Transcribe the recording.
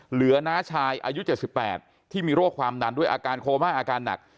น้าชายอายุ๗๘ที่มีโรคความดันด้วยอาการโคม่าอาการหนัก